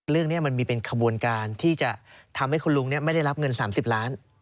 เรื่องนี้มันมีเป็นขบวนการที่จะทำให้คุณลุงไม่ได้รับเงิน๓๐ล้าน